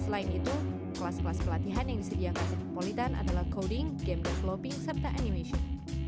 selain itu kelas kelas pelatihan yang disediakan politan adalah coding game developing serta animation